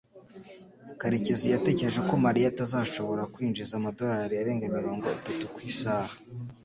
Karekeziyatekereje ko Mariya atazashobora kwinjiza amadolari arenga mirongo itatu ku isaha.